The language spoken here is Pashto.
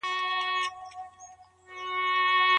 شيطان ته ولي حلال کارونه ناخوښه دي؟